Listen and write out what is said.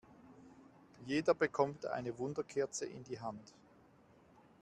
Jeder bekommt eine Wunderkerze in die Hand.